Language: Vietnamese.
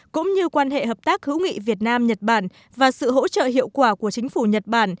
cũng như quan hệ hợp tác hữu nghị việt nam nhật bản và sự hỗ trợ hiệu quả của chính phủ nhật bản